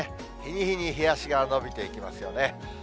日に日に日足が延びていきますよね。